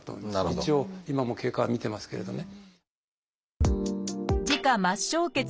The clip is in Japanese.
一応今も経過は診てますけれどね。